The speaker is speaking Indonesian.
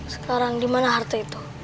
sekarang di mana harta itu